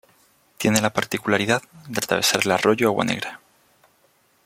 Tiene la particularidad de atravesar el Arroyo Agua Negra.